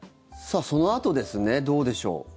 そのあとですねどうでしょう。